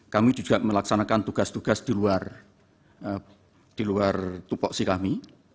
kami juga melaksanakan tugas tugas di luar tupok si kami